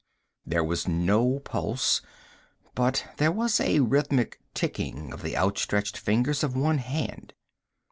_ There was no pulse, but there was a rhythmic ticking of the outstretched fingers of one hand.